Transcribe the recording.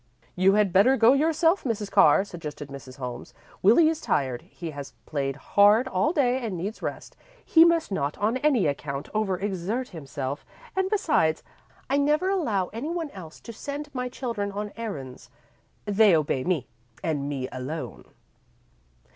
"You had better go yourself, Mrs. Carr," suggested Mrs. Holmes. "Willie is tired. He has played hard all day and needs rest. He must not on any account over exert himself, and, besides, I never allow any one else to send my children on errands. They obey me and me alone."